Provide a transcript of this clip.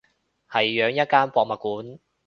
係養一間博物館